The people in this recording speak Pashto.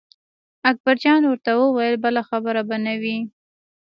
اکبر جان ورته وویل بله خبره به نه وي.